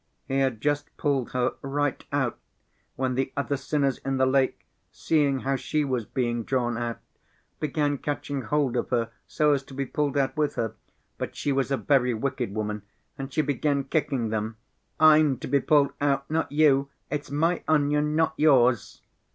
He had just pulled her right out, when the other sinners in the lake, seeing how she was being drawn out, began catching hold of her so as to be pulled out with her. But she was a very wicked woman and she began kicking them. 'I'm to be pulled out, not you. It's my onion, not yours.